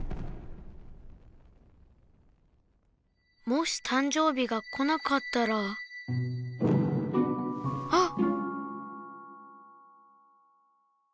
もしたんじょう日が来なかったらあっ！